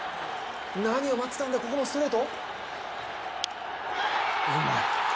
何を待ってたんだ、ここもストレート？